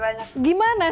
terima kasih banyak